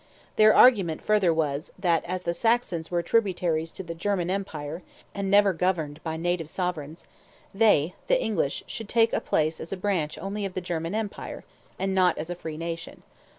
Their argument further was, that, "as the Saxons were tributaries to the German Empire, and never governed by native sovereigns, they [the English] should take place as a branch only of the German empire, and not as a free nation.